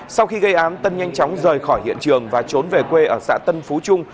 sau khi gây án tân nhanh chóng rời khỏi hiện trường và trốn về quê ở xã tân phú trung